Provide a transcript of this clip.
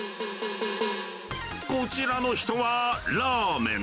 こちらの人はラーメン。